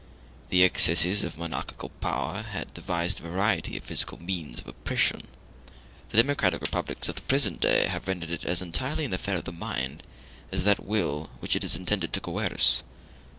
The excesses of monarchical power had devised a variety of physical means of oppression: the democratic republics of the present day have rendered it as entirely an affair of the mind as that will which it is intended to coerce.